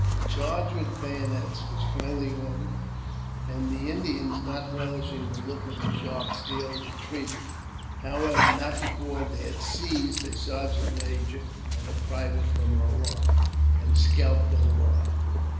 " A charge with bayonets was finally ordered, and the Indians, not relishing the look of the sharp steel, retreated ; however, not before they had seized a sergeant major and a private from our line, and scalped them alive.